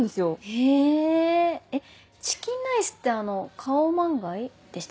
へぇチキンライスってあのカオマンガイでしたっけ？